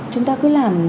chúng ta cứ làm